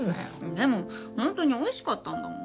でもホントにおいしかったんだもん。